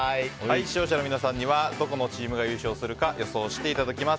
視聴者の皆さんにはどこのチームが紹介するか予想していただきます。